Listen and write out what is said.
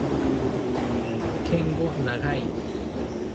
Kengo Nagai